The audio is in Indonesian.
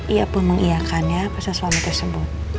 ia pun mengiakannya proses suami tersebut